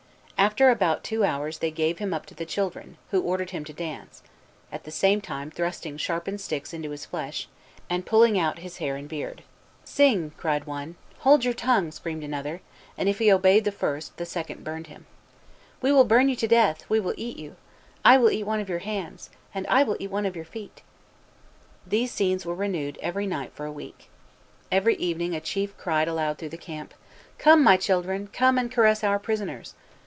After about two hours they gave him up to the children, who ordered him to dance, at the same time thrusting sharpened sticks into his flesh, and pulling out his hair and beard. "Sing!" cried one; "Hold your tongue!" screamed another; and if he obeyed the first, the second burned him. "We will burn you to death; we will eat you." "I will eat one of your hands." "And I will eat one of your feet." These scenes were renewed every night for a week. Every evening a chief cried aloud through the camp, "Come, my children, come and caress our prisoners!"